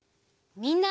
みんな！